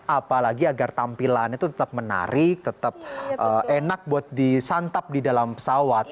apalagi agar tampilan itu tetap menarik tetap enak buat disantap di dalam pesawat